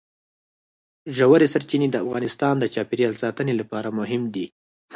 ژورې سرچینې د افغانستان د چاپیریال ساتنې لپاره مهم دي.